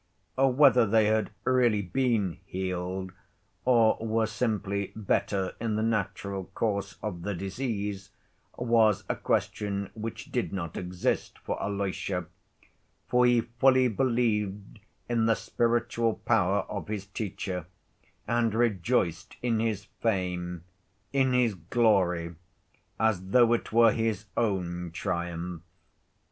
Whether they had really been healed or were simply better in the natural course of the disease was a question which did not exist for Alyosha, for he fully believed in the spiritual power of his teacher and rejoiced in his fame, in his glory, as though it were his own triumph.